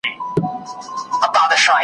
موږ له سدیو ګمراهان یو اشنا نه سمیږو .